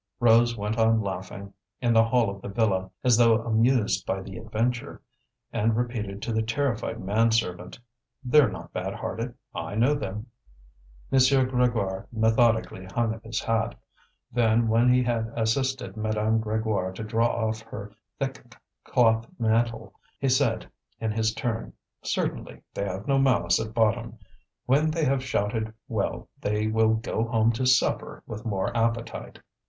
Rose went on laughing, in the hall of the villa, as though amused by the adventure, and repeated to the terrified man servant: "They're not bad hearted; I know them." M. Grégoire methodically hung up his hat. Then, when he had assisted Madame Grégoire to draw off her thick cloth mantle, he said, in his turn: "Certainly, they have no malice at bottom. When they have shouted well they will go home to supper with more appetite."